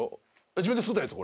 自分で作ったやつ？